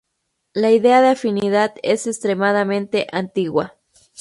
La idea de "afinidad" es extremadamente antigua.